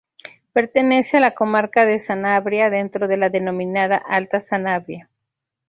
Pertenece a la comarca de Sanabria, dentro de la denominada Alta Sanabria.